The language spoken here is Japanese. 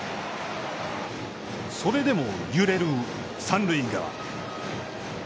それでも揺れる三塁側。